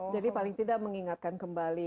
jadi paling tidak mengingatkan kembali